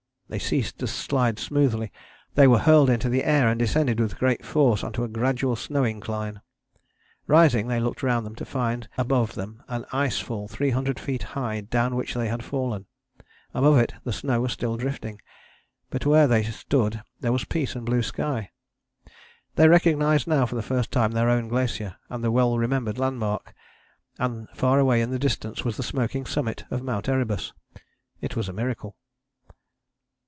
They ceased to slide smoothly; they were hurled into the air and descended with great force on to a gradual snow incline. Rising they looked round them to find above them an ice fall 300 feet high down which they had fallen: above it the snow was still drifting, but where they stood there was peace and blue sky. They recognized now for the first time their own glacier and the well remembered landmark, and far away in the distance was the smoking summit of Mount Erebus. It was a miracle.